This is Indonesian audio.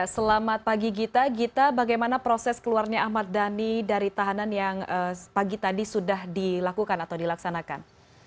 selamat pagi gita gita bagaimana proses keluarnya ahmad dhani dari tahanan yang pagi tadi sudah dilakukan atau dilaksanakan